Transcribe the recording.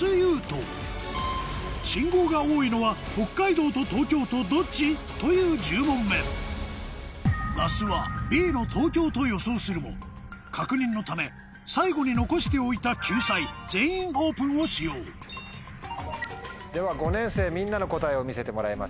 もっとロックしてやった！サントリー！という１０問目那須はＢの「東京」と予想するも確認のため最後に残しておいた救済「全員オープン」を使用では５年生みんなの答えを見せてもらいましょう。